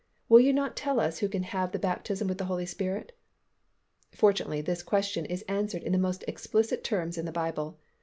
Will you not tell us who can have the baptism with the Holy Spirit?" Fortunately this question is answered in the most explicit terms in the Bible.